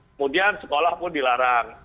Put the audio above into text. kemudian sekolah pun dilarang